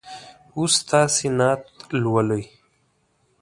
اوس تاسې نعت لولئ.